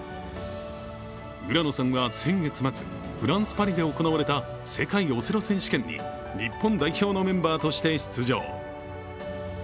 浦野さんは先月末、フランス・パリで行われた世界オセロ選手権に日本代表のメンバーとして出場。